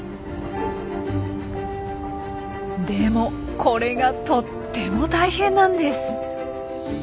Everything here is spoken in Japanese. でもこれがとっても大変なんです。